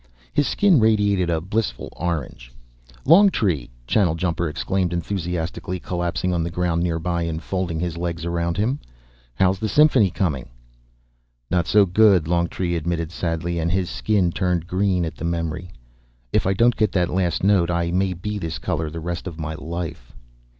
His skin radiated a blissful orange. "Longtree!" Channeljumper exclaimed enthusiastically, collapsing on the ground nearby and folding his legs around him. "How's the symphony coming?" "Not so good," Longtree admitted sadly, and his skin turned green at the memory. "If I don't get that last note, I may be this color the rest of my life."